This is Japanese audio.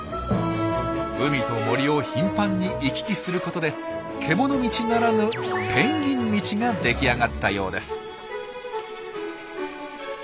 海と森を頻繁に行き来することで獣道ならぬ「ペンギン道」が出来上がったようです。